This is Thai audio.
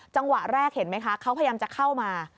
จังหวะแรกเห็นไหมคะเขาพยายามจะเข้ามา